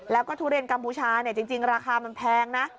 แล้วก็ทุเรียนกัมพูชาจริงราคามันแพงนะ